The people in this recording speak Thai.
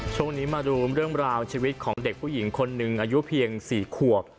ช่วงนี้มาดูเรื่องราวชีวิตของเด็กผู้หญิงคนหนึ่งอายุเพียง๔ขวบ